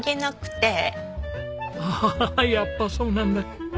ハハハやっぱそうなんだ。